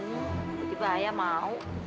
tiba tiba ayah mau